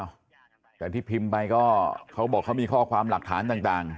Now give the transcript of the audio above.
แต่ที่พิมพ์ไปก็เขาบอกเขามีข้อความหลักฐานต่างต่าง